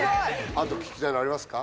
あと聞きたいのありますか？